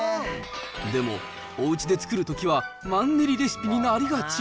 でも、おうちで作るときは、マンネリレシピになりがち。